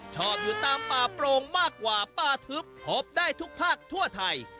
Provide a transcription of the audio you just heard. ชอบอยู่ตามป่าโปรงมากกว่าป่าทึบพบได้ทุกภาคทั่วไทย